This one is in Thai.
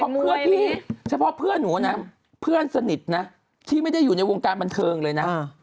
เพราะเพื่อนพี่เฉพาะเพื่อนหนูนะเพื่อนสนิทนะที่ไม่ได้อยู่ในวงการบันเทิงเลยนะ